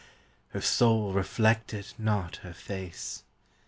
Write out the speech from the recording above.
Her soul reflected not her face.